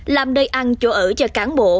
làm đơi ăn chỗ ở cho cán bộ